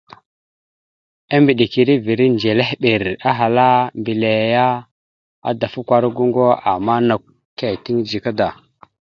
Embədekerrevere ndzelehɓer ahala mbelle: « Adafakwara goŋgo, ama nakw « keeteŋ dzika da. ».